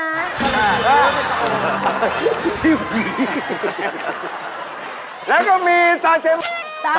มันเป็นยากับเรามั่ง